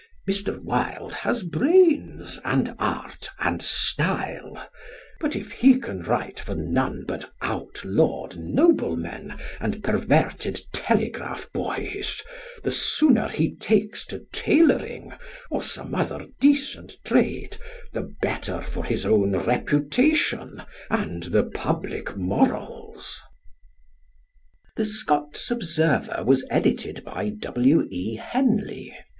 Mr. Wilde has brains, and art, and style; but, if he can write for none but outlawed noblemen and perverted telegraph boys, the sooner he takes to tailoring (or some other decent trade) the better for his own reputation and the public morals." July 5th, 1890. The Scots Observer was edited by W.E. Henley.